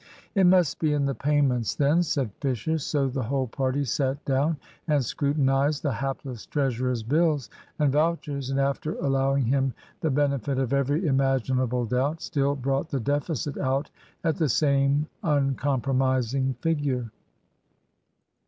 "It must be in the payments, then," said Fisher. So the whole party sat down, and scrutinised the hapless treasurer's bills and vouchers, and, after allowing him the benefit of every imaginable doubt, still brought the deficit out at the same uncompromising figure.